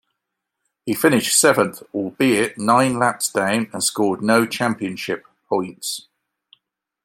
He finished seventh albeit nine laps down and scored no championship points.